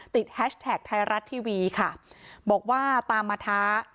แฮชแท็กไทยรัฐทีวีค่ะบอกว่าตามมาท้า